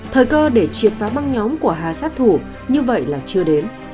thời cơ để triệt phá băng nhóm của hà sát thủ như vậy là chưa đến